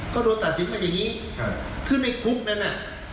ก็โดนตัดสินเป็นอย่างนี้คือในคุกนั้นน่ะ